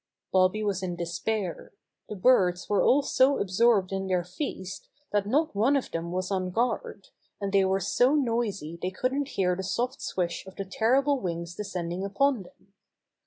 Bobby was in despair. The birds were all so absorbed in their feast that not one of them was on guard, and they were so noisy they couldn't hear the soft swish of the terrible wings descending upon them.